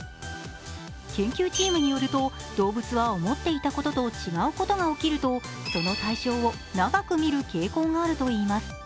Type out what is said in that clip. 研究チームによると、動物は思っていたことと違うことが起きるとその対象を長く見る傾向があるといいます。